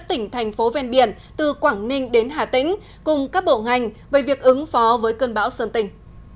tỉnh thành phố ven biển từ quảng ninh đến hà tĩnh cùng các bộ ngành về việc ứng phó với cơn bão sơn tỉnh